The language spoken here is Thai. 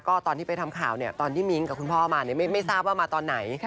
ก็ตอนที่ไปทำข่าวเนี่ยตอนที่มิ้งกับคุณพ่อมาไม่ทราบว่ามาตอนไหน